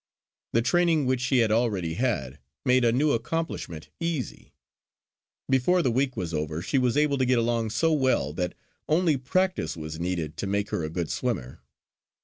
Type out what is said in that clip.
The training which she had already had, made a new accomplishment easy. Before the week was over she was able to get along so well, that only practice was needed to make her a good swimmer.